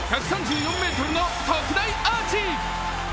１３４ｍの特大アーチ。